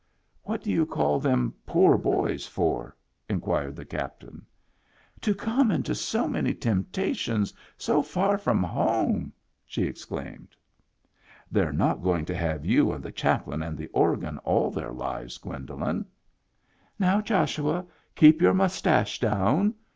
" What do you call them poor boys for ?" in quired the captain. "To come into so many temptations so far from home !" she exclaimed. " They're not going to have you and the chap lain and the organ all their lives, Gwendolen." " Now, Joshua, keep your mustache down